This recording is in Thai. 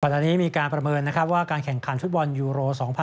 ตอนนี้มีอันตรายมีการประเมินว่าการแข่งขันฟุตบอลอยูโร๒๐๑๖